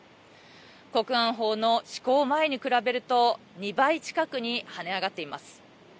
国安法の施行前に比べると２倍近くに跳ね上がっています。